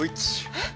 えっ！